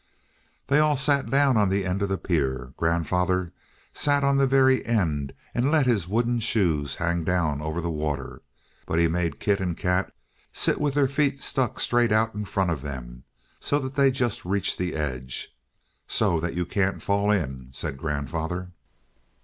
They all sat down on the end of the pier. Grandfather sat on the very end and let his wooden shoes hang down over the water; but he made Kit and Kat sit with their feet stuck straight out in front of them, so that they just reached to the edge "So that you can't fall in," said grandfather.